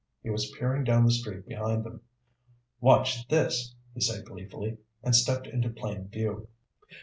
He was peering down the street behind them. "Watch this!" he said gleefully, and stepped into plain view.